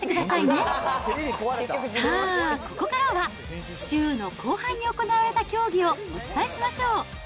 さあ、ここからは週の後半に行われた競技をお伝えしましょう。